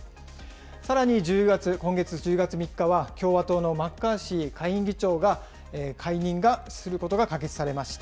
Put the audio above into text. さらに１０月、今月１０月３日は、共和党のマッカーシー下院議長が解任することが可決されました。